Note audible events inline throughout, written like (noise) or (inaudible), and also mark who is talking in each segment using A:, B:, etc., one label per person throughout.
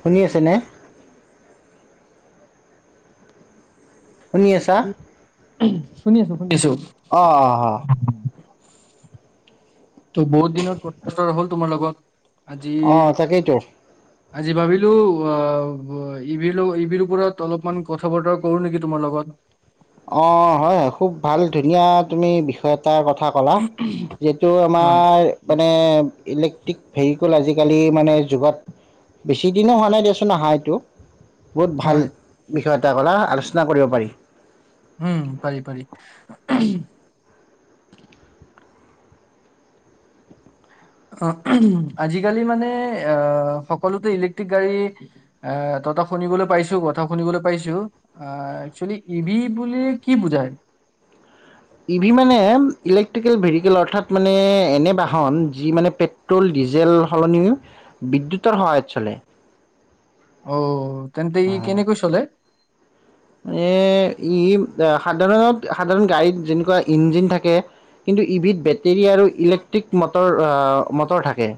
A: শুনি আছে নে? শুনি আছা
B: শুনি আছো শুনি আছো
A: অ' অ'
B: ত' বহুত দিনত (unintelligible) তোমাৰ লগত আজি
A: অ'তাকেইতো।
B: আজি ভাবিলো অ' ইবিৰ লগ ইবিৰ ওপৰত অলপমান কথা-বতৰা কৰো নেকি তোমাৰ লগত।
A: অ' হয়, হয় খুব ভাল ধুনীয়া তুমি বিষয় এটাৰ কথা ক'লা যিহেতো
B: হয়
A: আমাৰ মানে ইলেক্ট্ৰিক ভেহিকুল আজিকালি মানে যুগত বেছি দিনো হোৱা নাই দিয়াচোন আহাএইটো বহুত ভাল
B: হয়
A: বিষয় এটা ক'লা আলোচনা কৰিব পাৰি।
B: উম, পাৰি, পাৰি। অ' আজিকালি মানে অ'সকলোতে ইলেক্ট্ৰিক গাড়ী এ তহত শুনিবলৈ পাইছো, কথা শুনিবলৈ পাইছো অ'একচুৱেলি ই বি বুলি কি বুজায়?
A: ই ভি মানে ইলেক্ট্ৰিকেল ভেৰিকেল অৰ্থাৎ মানে এনে বাহন যি মানে পে পেট্ৰ'ল, ডিজেল সলনি বিদ্যুতৰ সহায়ত চলে।
B: অ'তেন্তে ই কেনেকৈ চলে?
A: এ ই সাধাৰণত আ সাধাৰণত সাধাৰণ গাড়ীত যেনেকুৱা ইঞ্জিন থাকে কিন্তু ই বিত বেটেৰী আৰু ইলেক্ট্ৰিক মটৰ আ মটৰ থাকে।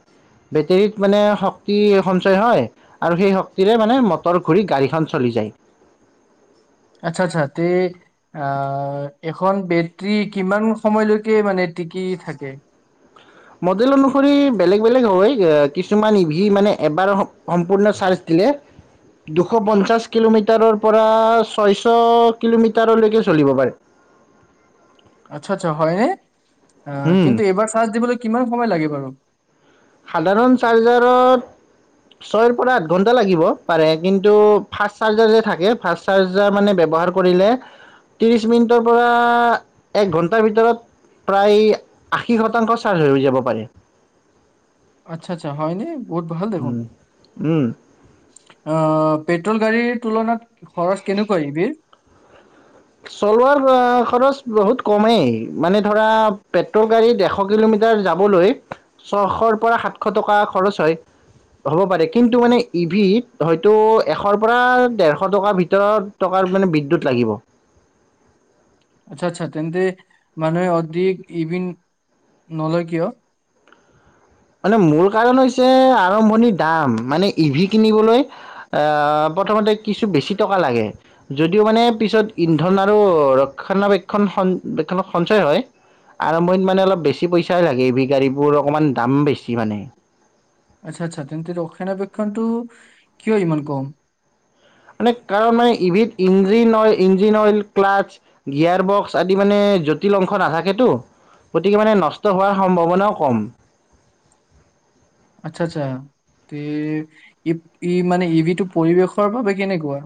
A: বেটেৰীত মানে শক্তি সঞ্চয় হয় আৰু সেই শক্তিৰে মানে মটৰ ঘূৰি গাড়ীখন চলি যায়।
B: আচ্ছা, আচ্ছা তে আ এখন বেটৰী কিমান সময়লৈকে মানে টিকি থাকে?
A: মডেল অনুসৰি বেলেগ, বেলেগ হয় কিছুমান ই ভি মানে এবাৰ সম-সম্পূৰ্ণ চাৰ্জ দিলে দুশ পঞ্চাছ কিলোমিটাৰৰ পৰা ছয়ছ কিলোমিটাৰলৈকে চলিব পাৰে।
B: আচ্ছা, আচ্ছা হয়নে অ'
A: উম
B: কিন্তু এইবাৰ চাৰ্জ দিবলৈ কিমান সময় লাগে বাৰু?
A: সাধাৰণ চাৰ্জাৰত ছয়ৰ পৰা আঠ ঘন্টা লাগিব পাৰে কিন্তু ফাৰ্চ চাৰ্জাৰ যে থাকে ফাৰ্চ চাৰ্জাৰ মানে ব্যৱহাৰ কৰিলে
B: (inaudible)
A: ত্ৰিশ মিনিটৰ পৰা, এক ঘণ্টাৰ ভিতৰত প্ৰায় আশী শতাংশ চাৰ্জ হৈ যাব পাৰে।
B: আচ্ছা, আচ্ছা হয়নে, বহুত ভাল দেখোন।
A: উম, উম,
B: অ, পেট্ৰল গাড়ীৰ তুলনাত খৰচ কেনেকুৱা এবিৰ?
A: চলোৱাৰ খৰচ বহুত কমেই, মানে ধৰা পেট্ৰল গাড়ী এশ কিলোমিটাৰ যাবলৈ, ছশৰ পৰা সাতশ টকা খৰচ হয়। হ'ব পাৰে। কিন্তু ইভিত হয়তো এশৰ পৰা দেৰশ টকাৰ ভিতৰত টকাৰ মানে বিদ্যুৎ লাগিব।
B: আচ্ছা, আচ্ছা তেন্তে মানুহে অধিক ইভিন নলয় কিয়?
A: মানে মূল কাৰণ হৈছে আৰম্ভণিৰ দাম, মানে ই, ভি, কিনিবলৈ আহ, প্ৰথমতে কিছু বেছি টকা লাগে। যদিও মানে পিছত ইন্ধন আৰু ৰক্ষণাবেক্ষণ বিকলত সঞ্চয় হয়। আৰম্ভণিত মানে অলপ বেছি পইচাই লাগে, হেবি গাড়ীবোৰ অকণমান দাম বেছি মানে।
B: আচ্ছা, আচ্ছা তেন্তে ৰক্ষণাবেক্ষণটো কিয় ইমান কম?
A: মানে কাৰণ মানে ইবিদ engine oil, engine oil, clutch gear box আদি মানে জটিল অংশ নাথাকেতো। গতিকে মানে, নষ্ট হোৱাৰ সম্ভাৱনাও কম।
B: আচ্ছা, আচ্ছা, তে ই, মানে ইবিটো পৰিৱেশৰ বাবে কেনেকুৱা?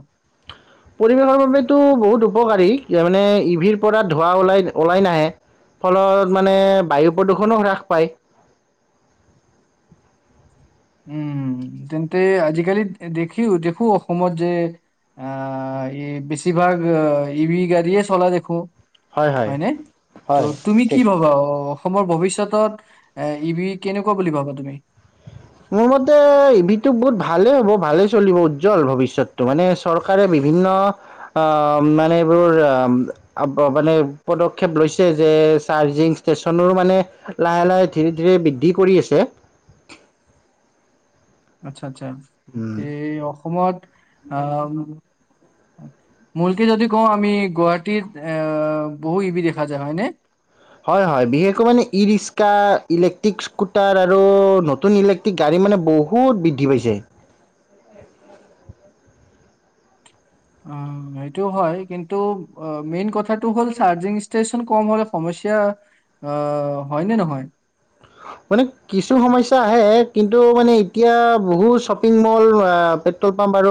A: পৰিৱেশৰ বাবেটো বহুত উপকাৰী, মানে ইভিৰ পৰা ধোঁৱা ওলাই ওলাই নাহে। ফলত মানে বায়ু প্ৰদূষণও হ্ৰাস পায়।
B: উম, তেন্তে আজিকালি দেখি দেখো অসমত যে আহ, এই বেছিভাগ ইভি গাড়ীয়ে চলা দেখো। হয়, নে ত,
A: হয়
B: তুমি কি
A: ঠিক
B: ভবা অ, অসমৰ ভৱিষ্যতত এই, ইবিৰ কেনেকুৱা বুলি ভাবা তুমি?
A: মোৰ মতে ইবিৰটো বহুত ভালেই হ'ব, ভালে চলিব উজ্জ্বল ভৱিষ্যতটো মানে চৰকাৰে বিভিন্ন অ, মানে এইবোৰ আহ মানে পদক্ষেপ লৈছে যে, চাৰ্জিং ষ্টেচনৰো মানে লাহে লাহে, ধীৰে ধীৰে বৃদ্ধি কৰি আছে।
B: আচ্ছা আচ্ছা
A: উম
B: তে, অসমত আহ মূলকে যদি কওঁ আমি, গুৱাহাটীত এ, বহু ইবি, দেখা যায় হয়নে?
A: হয়, হয়, বিশেষকৈ মানে ই ৰিক্সা ইলেক্ট্ৰিক স্কুটাৰ আৰু নতুন ইলে টিক, গাড়ী মানে বহুত বৃদ্ধি পাইছে।
B: অ, সেইটো হয়, কিন্তু মেইন কথাটো হ'ল, চাৰ্জিং ষ্টেচন কম হ'লে সমস্যা অ, হয়নে নহয়?
A: মানে কিছু সমস্যা আহে, কিন্তু মানে এতিয়া বহুত শ্বপিং মল আহ, পেট্ৰল পাম্প আৰু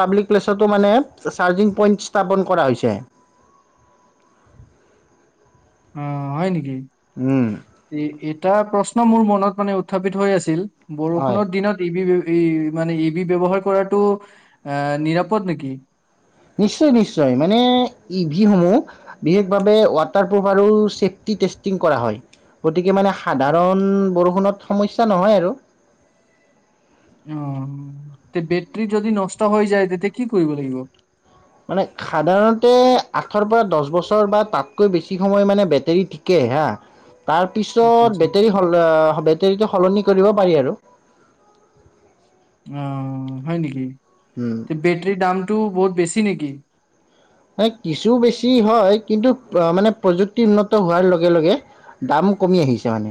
A: পাব্লিক প্লেছতো মানে, চাৰ্জিং পইণ্ট স্থাপন কৰা হৈছে।
B: অ, হয় নেকি?
A: উম,
B: এটা প্ৰশ্ন মোৰ মনত মানে উত্থাপিত হৈ আছিল,
A: হয়
B: বৰষুণৰ দিনত মানে ইবি, এ, ইবি, ব্যৱহাৰ কৰাটো আ, নিৰাপদ নেকি?
A: নিশ্চয়, নিশ্চয়, মানে ইভি সমূহ বিশেষ ভাবে ৱাটাৰপ্ৰুফ আৰু চফ্টি টেষ্টিং কৰা হয়। গতিকে মানে সাধাৰণ বৰষুণত সমস্যা নহয় আৰু।
B: অ, তে বেটৰী যদি নষ্ট হৈ যায়, তেতিয়া কি কৰিব লাগিব?
A: মানে সাধাৰণতে আঠৰ পৰা দহ বছৰ বা তাতকৈ বেছি সময় মানে বেটেৰী ঠিকে হা, তাৰ
B: আচ্ছা
A: পিছত
B: আচ্ছা
A: বেটেৰী সল অ বেটেৰীটো সলনি কৰিব পাৰি আৰু।
B: অঁ' হয় নিকি?
A: উম'।
B: তে বেটৰীৰ দামটো বহুত বেছি নেকি?
A: এ কিছু বেছি হয়, কিন্তু আহ মানে প্ৰযুক্তি উন্নত হোৱাৰ লগে লগে- দাম কমি আহিছে মানে।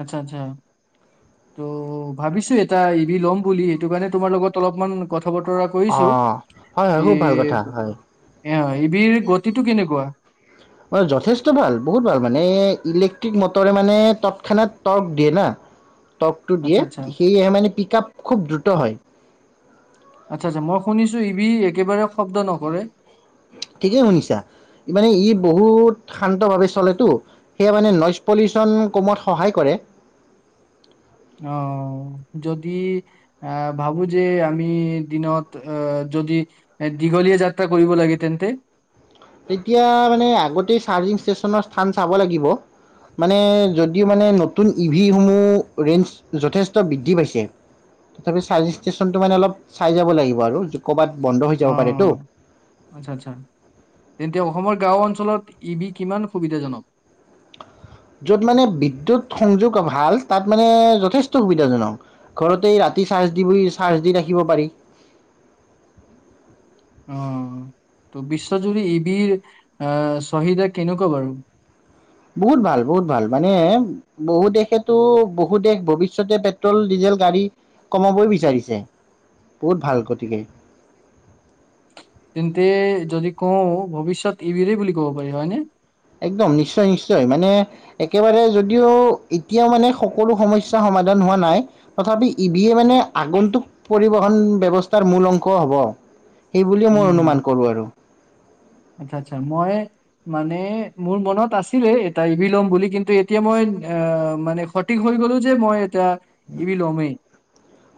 B: আৎচ্ছা আৎচ্ছা, ত' ভাবিছো এটা ই ভি ল'ম বুলি, এইটো কাৰণে তোমাৰ লগত- অলপমান কথা বতৰা কৰিছো।
A: অঁ হয় হয় খুব ভাল
B: তে-
A: কথা হয়।
B: এঁ অঁ ই ভিৰ গতিটো কেনেকুৱা?
A: হয়, যথেষ্ট ভাল বহুত ভাল, মানে ইলেক্ট্ৰিক মটৰে মানে তৎক্ষণাত টৰ্ক দিয়ে না।
B: (inaudible)
A: টকটো দিয়ে
B: আচ্ছা আচ্ছা
A: সেয়েহে মানে পিক আপ খুব দ্ৰুত হয়।
B: আৎচ্ছা আৎচ্ছা, মই শুনিছোঁ ই ভি একেবাৰে শব্দ নকৰে?
A: ঠিকেই শুনিছা, ই মানে ই বহুত শান্ত ভাৱে চলেতো। সেয়া মানে নইজ পলিউশ্যন কমোৱাত সহায় কৰে।
B: অঁ' যদি- আঁহ ভাবো যে আমি দিনত আহ যদি- দীঘলীয়া যাত্ৰা কৰিব লাগে তেন্তে।
A: তেতিয়া মানে আগতে চাৰ্জিং ষ্টেচনৰ স্থান চাব লাগিব। মানে যদিও মানে নতুন ই ভিসমূহ ৰেঞ্জ যথেষ্ট বৃদ্ধি পাইছে। তথাপি চাৰ্জ ষ্টেচনটো মানে অলপ চাই যাব লাগিব আৰু ক'ৰবাত বন্ধ হৈ যাব পাৰে তো।
B: আৎচ্ছা আলচ্ছা, তেন্তে গাঁও অঞ্চলত ই ভি কিমান সুবিধাজনক?
A: য'ত মানে বিদ্যুৎ সংযোগ ভাল তাত মানে যথেষ্ট সুবিধাজনক। ঘৰতেই ৰাতি চাৰ্জ দিবি চাৰ্জ দি ৰাখিব পাৰি।
B: অঁ' ত' বিশ্বজুৰি ই ভিৰ আহ চাহিদা কেনেকুৱা বাৰু?
A: বহুত ভাল, বহুত ভাল, মানে- বহু দেশেতো বহু দেশ ভৱিষ্যতে পেট্ৰল ডিজেল গাড়ী- কমাবই বিচাৰিছে, বহুত ভাল গতিকে।
B: তেন্তে যদি কওঁ ভৱিষ্যত ই ভিৰে বুলি ক'ব পাৰি, হয়নে?
A: একদম নিশ্চয় নিশ্চয়। মানে- একেবাৰে যদিও এতিয়াও মানে সকলো সমস্যা সমাধান হোৱা নাই। তথাবি ই ভিয়ে মানে আগন্তুক পৰিবহন ব্যৱস্থাৰ মূল অংশ হব। সেই বুলি মই অনুমান কৰো আৰু।
B: আৎচ্ছা আৎচ্ছা, মই- মানে মোৰ মনত আছিলে এটা ই ভি লম বুলি, কিন্তু এতিয়া মই অঁ মানে- সঠিক হৈ গলো যে মই এটা ই ভি ল'মেই।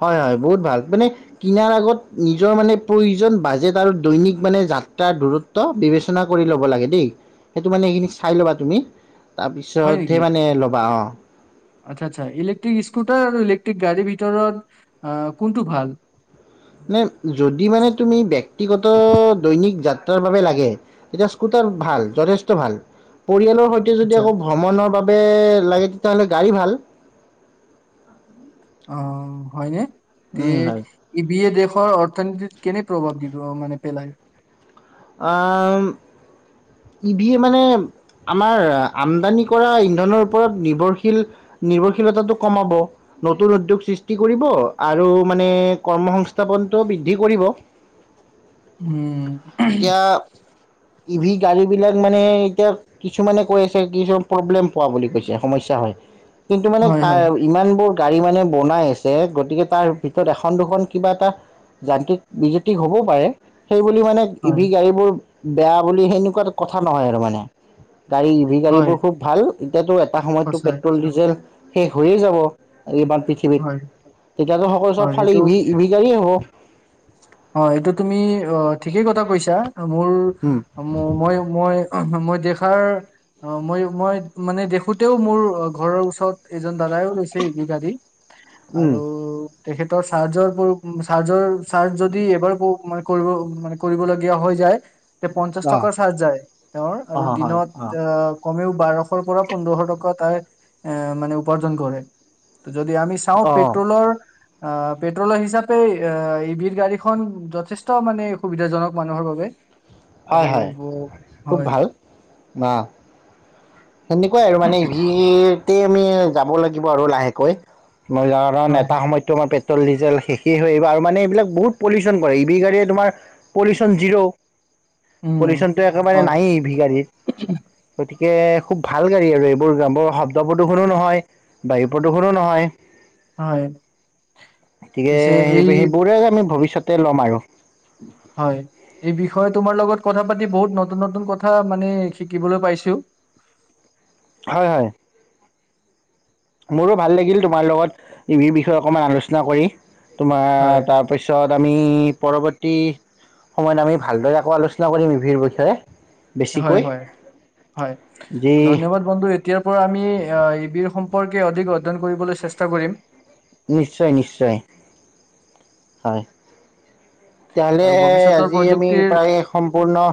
A: হয় হয় বহুত ভাল, মানে- কিনাৰ আগত নিজৰ মানে প্ৰয়োজন বাজেট আৰু দৈনিক মানে যাত্ৰাৰ দূৰত- ত বিবেচনা কৰি ল'ব লাগে দেই, সেইটো মানে সেইখিনি চাই ল'বা তুমি। তাৰিপিছতে মানে ল'বা অঁ।
B: আৎচ্ছা আৎচ্ছা, ইলেকট্ৰিক স্কুটাৰ আৰু ইলেকট্ৰিক গাড়ীৰ ভিতৰত আহ কোনটো ভাল?
A: নে যদি মানে তুমি ব্যক্তিগত দৈনিক যাত্ৰাৰ বাবে লাগে- এতিয়া স্কুটাৰ ভাল যথেষ্ট ভাল, পৰিয়ালৰ সৈত- তে যদি
B: আচ্ছা
A: আকৌ ভ্ৰমনৰ বাবে লাগে, তেতিয়াহ'লে গাড়ী ভাল।
B: অঁ হয়নে? তি-
A: উম হয়
B: ই ভিয়ে দেশৰ অৰ্থনীতিত কেনে প্ৰভাৱ দিব মানে পেলায়?
A: আ ই ভিয়ে মানে- আমাৰ আমদানি কৰা ইন্ধনৰ ওপৰত নিৰ্ভৰশীল- নিৰ্ভৰশীলতাটো কমাব। নতুন উদ্যোগ সৃষ্টি কৰিব আৰু মানে কৰ্ম সংস্থাপনটো বৃদ্ধি কৰিব।
B: উম, উম।
A: এতিয়া-
B: (inaudible)
A: ই ভি গাড়ী বিলাক মানে এতিয়া- কিছুমানে কৈ আছে কিছুমান প্ৰব্লেম পোৱা বুলি কৈছে, সমস্যা হয়। কিন্তু মানে
B: হয়, হয়,
A: তাৰ- ইমানবোৰ গাড়ী মানে বনাই আছে গতিকে তাৰ ভিতৰত এখন- দুখন কিবা এটা- যান্ত্ৰিক বিজুতি হ'ব পাৰে। সেই বুলি মানে- ই
B: হয়,
A: ভি গাড়ীবোৰ বেয়া বুলি সেনেকুৱা কথা নহয় আৰু মানে গাড়ী-
B: হয়,
A: গাড়ীবোৰ খুব ভাল। এতিয়াতো এটা সময়ততো
B: সঁচাই,
A: পেট্ৰল -ডিজেল শেষ হৈয়ে যাব। আজিৰপা - পৃথিৱীত
B: হয়,
A: তেতিয়াতো সকলো চব
B: হয়,
A: ফালে ইভি- ইভি গাড়ীয়েই হ'ব।
B: অঁ, এইটো তুমি ঠিকেই কথা কৈছা। মোৰ-
A: উম
B: ম মই- মই- মই দেখাৰ- অঁ, মই- মই মানে দেখোতেও মোৰ ঘৰৰ ওচৰত এজন দাদাইও লৈছে ই ভি গাড়ী।
A: উম
B: আৰু তেখেতৰ চাৰ্জৰ- চাৰ্জৰ চাৰ্জ যদি এবাৰ কৰিব ম কৰিবলগীয়া হৈ যায়। তে পঞ্চাশ
A: অ
B: টকাৰ চাৰ্জ যায় তেওঁৰ
A: অ
B: আৰু
A: হয়
B: দিনত
A: অ
B: আহ- কমেও বাৰশৰ পৰা পোন্ধৰশ টকা তাই এ মানে উপাৰ্জন কৰে। যদি আমি- চাওঁ
A: অ
B: পেট্ৰলৰ, আ পেট্ৰলৰ হিচাপে আ- ই ভি গাড়ীখন যথেষ্ট মানে সুবিধাজনক মানুহৰ বাবে।
A: হয়
B: আৰু ব হয়।
A: বা- সেনেকুৱাই আৰু মানে ইভি তে আমি যাব লাগিব আৰু লাহেকৈ। মই য- কাৰণ
B: হয়
A: এটা সময়ত তোমাৰ পে- পেট্ৰল -ডিজেল শেষেই হৈ আহিব আৰু মানে এইবিলাক বহুত পলিউচন কৰে, ই ভি গাড়ীয়ে তোমাৰ পলিউচন জিৰ'।
B: উম
A: পলিউচনটো একেবাৰে
B: হয়
A: নায়ে ই ভি গাড়ীৰ। গতিকে- খুব ভাল গাড়ী আৰু এইবোৰ গামৰ শব্দ প্ৰদূষণো নহয়, বায়ু প্ৰদূষণো নহয়।
B: হয়
A: গতিকে এই ই এইবোৰে আমি ভৱিষ্যতে লম আৰু।
B: হয়। এই বিষয়ে তোমাৰ লগত কথা পাতি বহুত নতুন নতুন কথা মানে শিকিবলৈ পাইছোঁ।
A: হয়, হয়। মোৰো ভাল লাগিল তোমাৰ লগত ইভিৰ বিষয়ে অকণমান আলোচনা কৰি। তোমাৰ
B: হয়,
A: তাৰ- তাৰপিছত আমি পৰৱৰ্তী- সময়ত আমি ভালদৰে আকৌ আলোচনা কৰিম ইভিৰ বিষয়ে।
B: হয়,
A: বেছিকৈ
B: হয়, হয়,
A: যি
B: ধন্যবাদ। বন্ধু এতিয়াৰ পৰা আমি এ ই ভি সম্পৰ্কে অধিক অধ্যয়ন কৰিবলৈ চেষ্টা কৰিম।
A: নিশ্চয়, নিশ্চয়। হয়। তেতিয়া হ'লে
B: আৰু ভৱিষ্যতৰ
A: আজি আমি
B: প্ৰযুক্তিৰ
A: প্ৰায় সম্পূৰ্ণ-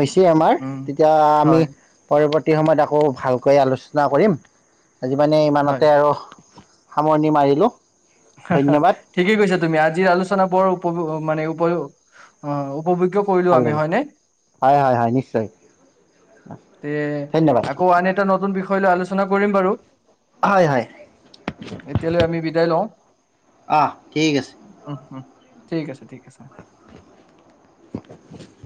A: হৈছে আমাৰ।
B: উম,
A: তেতিয়া
B: হয়,
A: আমি- পৰৱৰ্তী সময়ত আকৌ ভালকৈ আলোচনা কৰিম। আজি মানে
B: হয়।
A: ইমানতে আৰু- সামৰণি মাৰিলো।
B: সাহা, ঠিকেই কৈছা তুমি, আলোচনা উপ মানে উপ অ উপভোগ্য কৰিলো
A: ভাল
B: আমি
A: লাগে।
B: হয়নে?
A: হয়, হয়, হয়, নিশ্চয়।
B: তে
A: ধন্যবাদ
B: আকৌ আন এটা নতুন বিষয় লৈ আলোচনা কৰিম বাৰু
A: হয় হয়
B: এতিয়ালৈ আমি বিদায় লওঁ।
A: অ ঠিক আছে
B: উম উম, ঠিক আছে, ঠিক আছে।
A: (unintelligible)